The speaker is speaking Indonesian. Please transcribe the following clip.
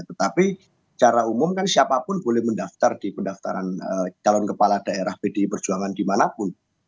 tetapi secara umum kan siapapun boleh mendaftar di pendaftaran calon kepala daerah pdi perjuangan dimanapun